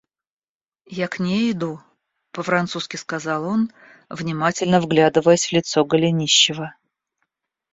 Я к ней иду, — по-французски сказал он, внимательно вглядываясь в лицо Голенищева.